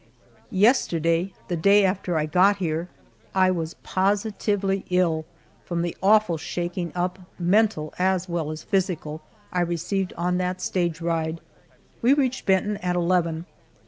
Yesterday the day after I got here I was positively ill from the awful shaking up, mental as well as physical, I received on that stage ride. We reached Benton at eleven.